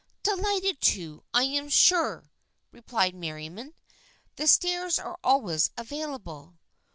" Delighted to, I am sure," replied Merriam. " The stairs are always available."